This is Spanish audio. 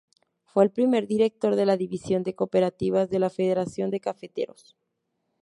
Fue el primer director de la División de Cooperativas de la Federación de Cafeteros.